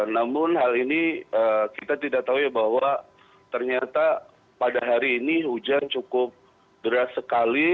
namun hal ini kita tidak tahu ya bahwa ternyata pada hari ini hujan cukup deras sekali